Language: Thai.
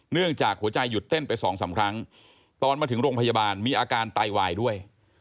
เนื่องจากหัวใจหยุดเต้นไปสองสามครั้งตอนมาถึงโรงพยาบาลมีอาการไตวายด้วย